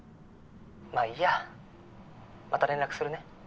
まあいいやまた連絡するね。